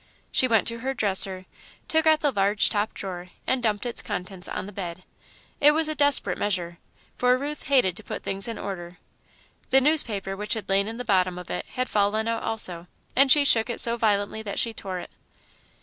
She went to her dresser, took out the large top drawer, and dumped its contents on the bed. It was a desperate measure, for Ruth hated to put things in order. The newspaper which had lain in the bottom of it had fallen out also, and she shook it so violently that she tore it.